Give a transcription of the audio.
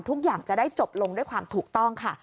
ทุกอย่างจะได้จบลงด้วยความถูกต้องค่ะ